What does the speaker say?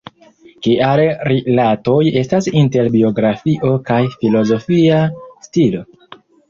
Kiaj rilatoj estas inter biografio kaj filozofia stilo?